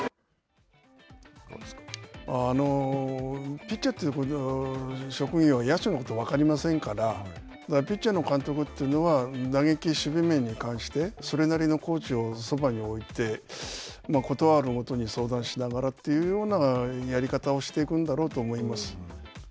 ピッチャーという職業は野手のことは分かりませんからピッチャーの監督というのは打撃、守備面に関してそれなりのコーチをそばに置いて、事あるごとに相談しながらというようなやり方をしていくんだろうと思います。